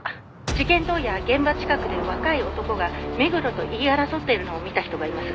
事件当夜現場近くで若い男が目黒と言い争っているのを見た人がいます」